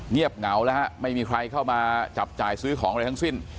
เงียบเหงาแล้วฮะไม่มีใครเข้ามาจับจ่ายซื้อของอะไรทั้งสิ้น